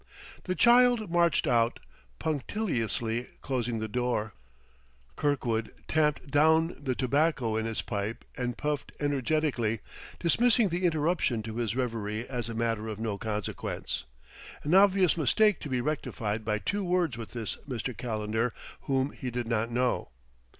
The child marched out, punctiliously closing the door. Kirkwood tamped down the tobacco in his pipe and puffed energetically, dismissing the interruption to his reverie as a matter of no consequence an obvious mistake to be rectified by two words with this Mr. Calendar whom he did not know.